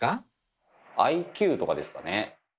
ＩＱとかですかね。